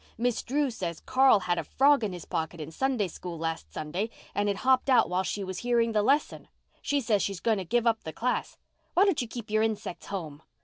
Miss Drew says Carl had a frog in his pocket in Sunday School last Sunday and it hopped out while she was hearing the lesson. She says she's going to give up the class. Why don't you keep your insecks home?"